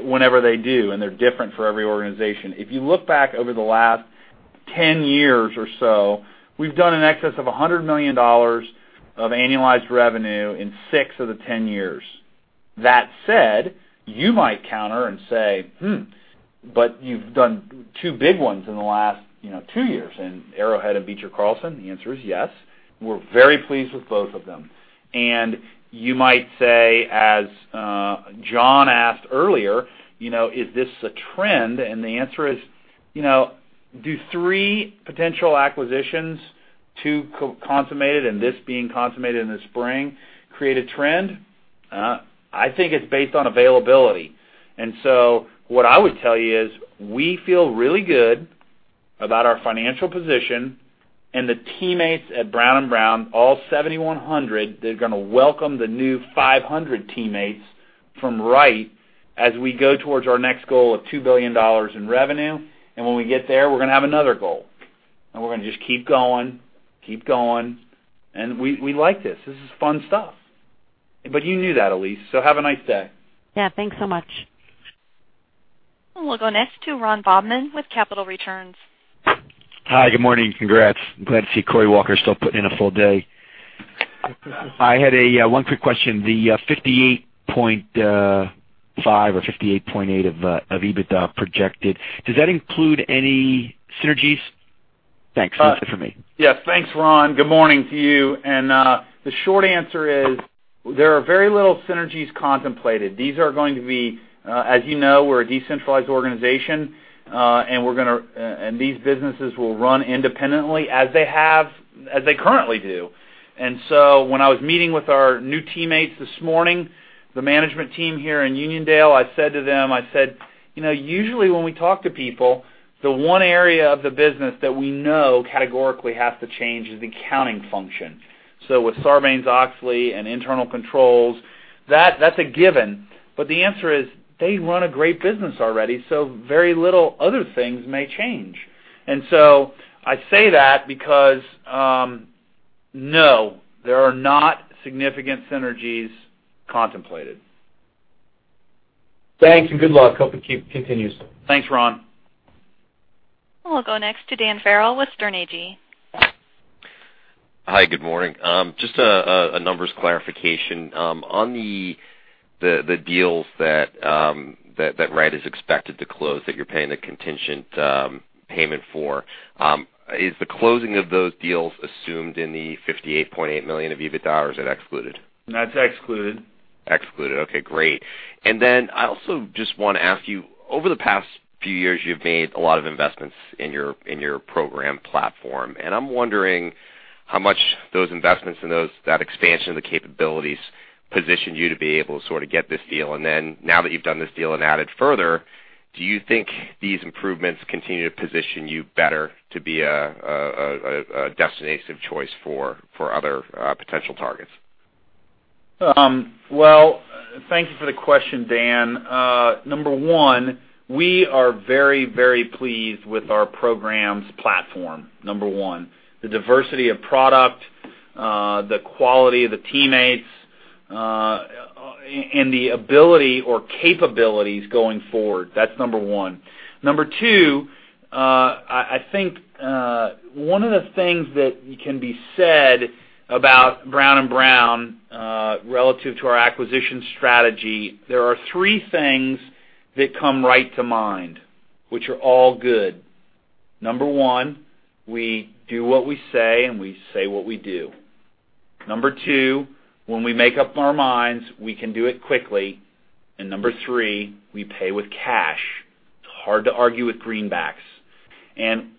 S2: whenever they do, and they're different for every organization. If you look back over the last 10 years or so, we've done in excess of $100 million of annualized revenue in six of the 10 years. That said, you might counter and say, "Hmm, you've done two big ones in the last two years in Arrowhead and Beecher Carlson." The answer is yes. We're very pleased with both of them. You might say, as John asked earlier, is this a trend? The answer is, do three potential acquisitions, two consummated and this being consummated in the spring, create a trend? I think it's based on availability. What I would tell you is we feel really good about our financial position and the teammates at Brown & Brown, all 7,100, they're going to welcome the new 500 teammates from Wright as we go towards our next goal of $2 billion in revenue. When we get there, we're going to have another goal, we're going to just keep going, keep going. We like this. This is fun stuff. You knew that, Elyse, have a nice day.
S11: Yeah. Thanks so much.
S1: We'll go next to Ron Bauman with Capital Returns.
S12: Hi, good morning. Congrats. I'm glad to see Cory Walker still putting in a full day. I had one quick question. The 58.5 or 58.8 of EBITDA projected, does that include any synergies? Thanks. That's it for me.
S2: Yeah. Thanks, Ron. Good morning to you. The short answer is there are very little synergies contemplated. As you know, we're a decentralized organization, and these businesses will run independently as they currently do. When I was meeting with our new teammates this morning, the management team here in Uniondale, I said to them, I said, "Usually when we talk to people, the one area of the business that we know categorically has to change is the accounting function." With Sarbanes-Oxley and internal controls, that's a given. The answer is they run a great business already, so very little other things may change. I say that because, no, there are not significant synergies contemplated.
S12: Thanks and good luck. Hope it continues.
S2: Thanks, Ron.
S1: We'll go next to Dan Farrell with Sterne Agee.
S13: Hi, good morning. Just a numbers clarification. On the deals that Wright is expected to close, that you're paying the contingent payment for, is the closing of those deals assumed in the $58.8 million of EBITDA, or is it excluded?
S2: That's excluded.
S13: Okay, great. I also just want to ask you, over the past few years, you've made a lot of investments in your program platform. I'm wondering how much those investments and that expansion of the capabilities position you to be able to sort of get this deal. Now that you've done this deal and added further, do you think these improvements continue to position you better to be a destination of choice for other potential targets?
S2: Well, thank you for the question, Dan. Number one, we are very, very pleased with our programs platform. Number one, the diversity of product, the quality of the teammates, and the ability or capabilities going forward. That's number one. Number two, I think one of the things that can be said about Brown & Brown relative to our acquisition strategy, there are three things that come right to mind, which are all good. Number one, we do what we say, and we say what we do. Number two, when we make up our minds, we can do it quickly. Number three, we pay with cash. It's hard to argue with greenbacks.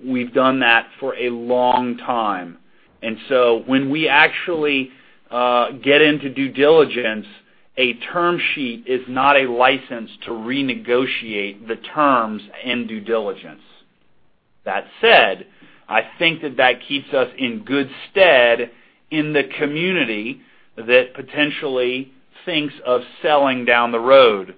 S2: We've done that for a long time. When we actually get into due diligence, a term sheet is not a license to renegotiate the terms in due diligence. That said, I think that that keeps us in good stead in the community that potentially thinks of selling down the road.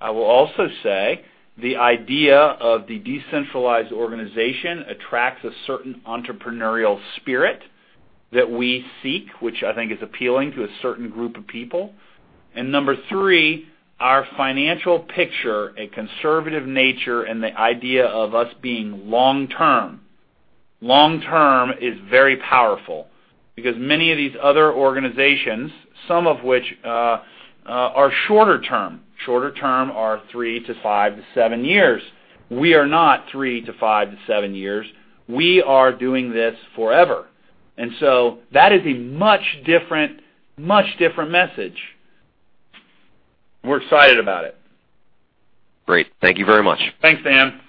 S2: I will also say the idea of the decentralized organization attracts a certain entrepreneurial spirit that we seek, which I think is appealing to a certain group of people. Number three, our financial picture, a conservative nature, and the idea of us being long-term. Long-term is very powerful because many of these other organizations, some of which are shorter term. Shorter term are three to five to seven years. We are not three to five to seven years. We are doing this forever. That is a much different message. We're excited about it.
S13: Great. Thank you very much.
S2: Thanks, Dan.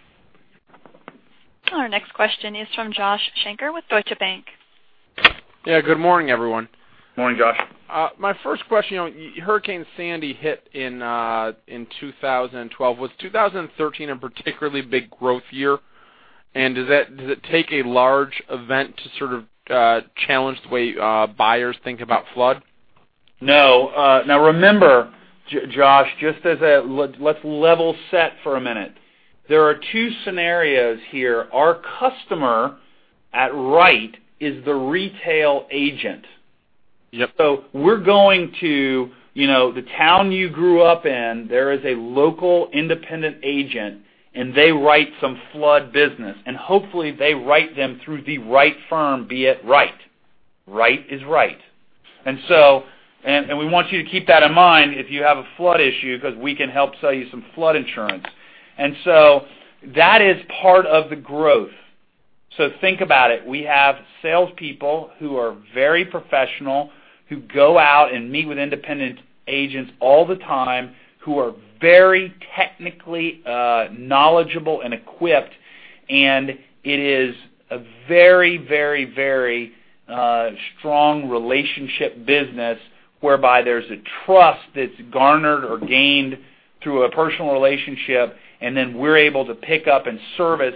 S1: Our next question is from Josh Shanker with Deutsche Bank.
S14: Yeah, good morning, everyone.
S2: Morning, Josh.
S14: My first question, Hurricane Sandy hit in 2012. Was 2013 a particularly big growth year? Does it take a large event to sort of challenge the way buyers think about flood?
S2: No. Remember, Josh, let's level set for a minute. There are two scenarios here. Our customer at Wright is the retail agent.
S14: Yep.
S2: We're going to the town you grew up in, there is a local independent agent, and they write some flood business, and hopefully they write them through the right firm, be it Wright. Wright is right. We want you to keep that in mind if you have a flood issue because we can help sell you some flood insurance. That is part of the growth. Think about it. We have salespeople who are very professional, who go out and meet with independent agents all the time, who are very technically knowledgeable and equipped, and it is a very strong relationship business whereby there's a trust that's garnered or gained through a personal relationship, and then we're able to pick up and service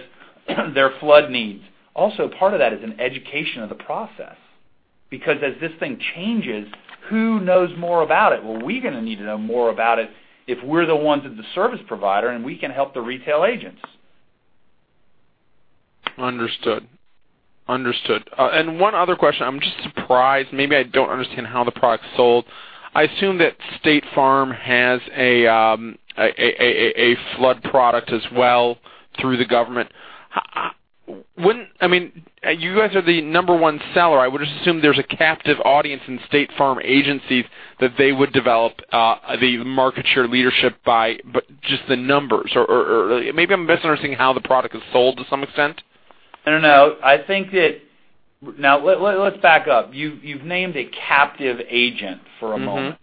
S2: their flood needs. Also, part of that is an education of the process, because as this thing changes, who knows more about it? Well, we're going to need to know more about it if we're the ones that's the service provider, and we can help the retail agents.
S14: Understood. One other question. I'm just surprised, maybe I don't understand how the product's sold. I assume that State Farm has a flood product as well through the government. You guys are the number 1 seller. I would just assume there's a captive audience in State Farm agencies that they would develop the market share leadership by just the numbers. Maybe I'm misunderstanding how the product is sold to some extent.
S2: No. Let's back up. You've named a captive agent for a moment.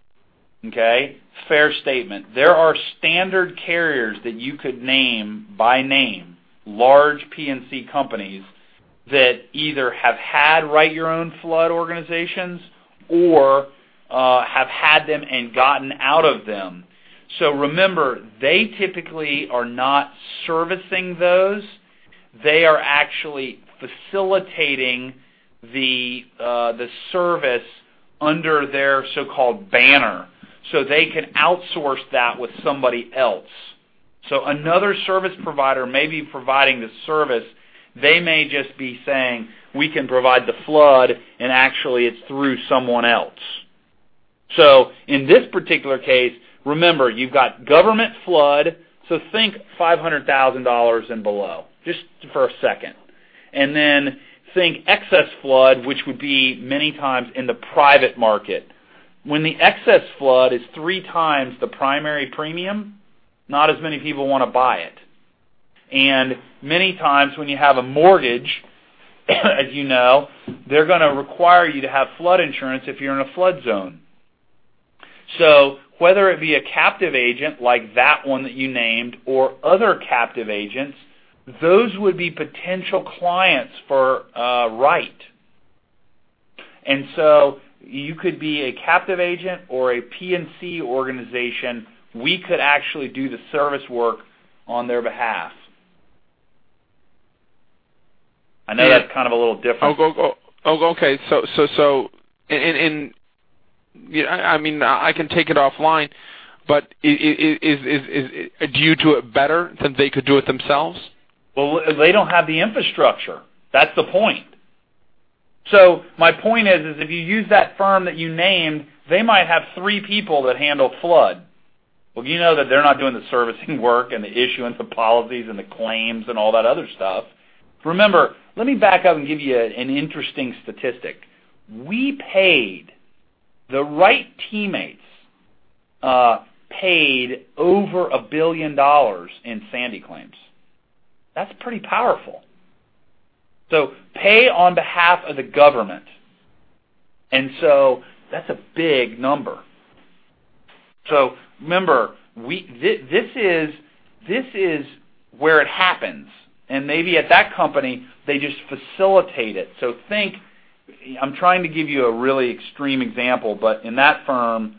S2: Okay? Fair statement. There are standard carriers that you could name by name, large P&C companies, that either have had Write Your Own flood organizations or have had them and gotten out of them. Remember, they typically are not servicing those. They are actually facilitating the service under their so-called banner. They can outsource that with somebody else. Another service provider may be providing the service. They may just be saying, "We can provide the flood," and actually, it's through someone else. In this particular case, remember, you've got government flood, so think $500,000 and below, just for a second. Then think excess flood, which would be many times in the private market. When the excess flood is three times the primary premium, not as many people want to buy it. Many times, when you have a mortgage, as you know, they're going to require you to have flood insurance if you're in a flood zone. Whether it be a captive agent like that one that you named or other captive agents, those would be potential clients for Wright. You could be a captive agent or a P&C organization. We could actually do the service work on their behalf. I know that's kind of a little different.
S14: Okay. I can take it offline, do you do it better than they could do it themselves?
S2: They don't have the infrastructure. That's the point. My point is, if you use that firm that you named, they might have three people that handle flood. You know that they're not doing the servicing work and the issuance of policies and the claims and all that other stuff. Remember, let me back up and give you an interesting statistic. We paid, the Wright teammates, paid over $1 billion in Hurricane Sandy claims. That's pretty powerful. Pay on behalf of the government. That's a big number. Remember, this is where it happens. Maybe at that company, they just facilitate it. Think, I'm trying to give you a really extreme example, in that firm,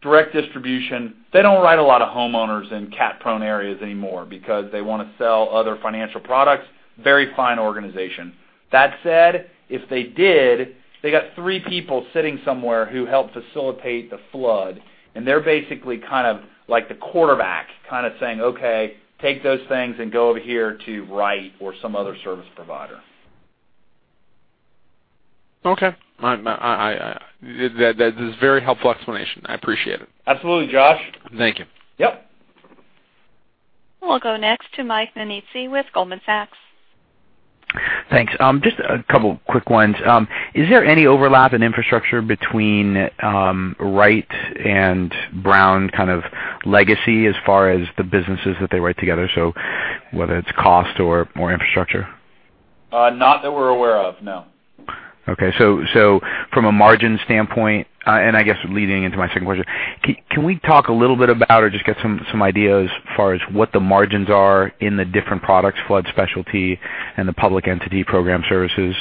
S2: direct distribution, they don't write a lot of homeowners in cat-prone areas anymore because they want to sell other financial products. Very fine organization. That said, if they did, they got three people sitting somewhere who help facilitate the flood, and they're basically kind of like the quarterback kind of saying, "Okay, take those things and go over here to Wright or some other service provider.
S14: Okay. That is a very helpful explanation. I appreciate it.
S2: Absolutely, Josh.
S14: Thank you.
S2: Yep.
S1: We'll go next to Mike Nannizzi with Goldman Sachs.
S15: Thanks. Just a couple of quick ones. Is there any overlap in infrastructure between Wright and Brown kind of legacy as far as the businesses that they write together? Whether it's cost or more infrastructure.
S2: Not that we're aware of, no.
S15: From a margin standpoint, I guess leading into my second question, can we talk a little bit about, or just get some ideas as far as what the margins are in the different products, flood specialty, and the public entity program services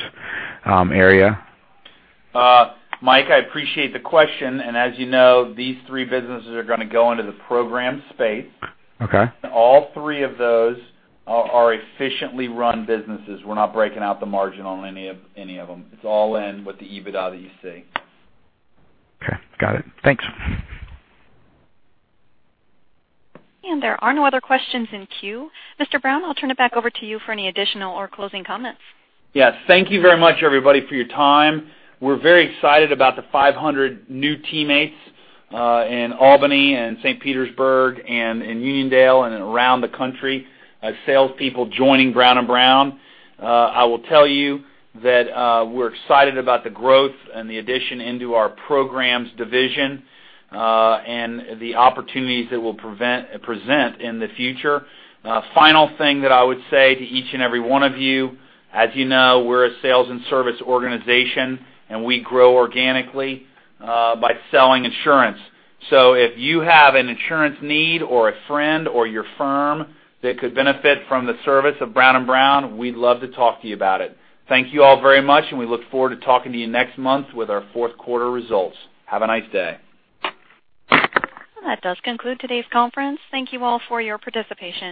S15: area?
S2: Mike, I appreciate the question. As you know, these three businesses are going to go into the program space.
S15: Okay.
S2: All three of those are efficiently run businesses. We're not breaking out the margin on any of them. It's all in with the EBITDA that you see.
S15: Okay. Got it. Thanks.
S1: There are no other questions in queue. Mr. Brown, I'll turn it back over to you for any additional or closing comments.
S2: Yes. Thank you very much, everybody, for your time. We're very excited about the 500 new teammates in Albany and St. Petersburg and in Uniondale and around the country, as salespeople joining Brown & Brown. I will tell you that we're excited about the growth and the addition into our programs division, and the opportunities that will present in the future. A final thing that I would say to each and every one of you, as you know, we're a sales and service organization, and we grow organically by selling insurance. If you have an insurance need or a friend or your firm that could benefit from the service of Brown & Brown, we'd love to talk to you about it. Thank you all very much, and we look forward to talking to you next month with our fourth quarter results. Have a nice day.
S1: That does conclude today's conference. Thank you all for your participation